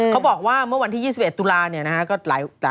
เขาบอกว่าเมื่อวันที่๒๑ตุลาเนี่ยนะฮะ